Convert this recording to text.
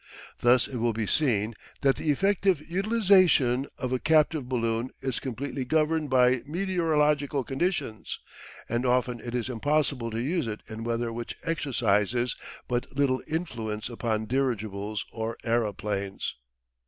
Thus it will be seen that the effective utilisation of a captive balloon is completely governed by meteorological conditions, and often it is impossible to use it in weather which exercises but little influence upon dirigibles or aeroplanes.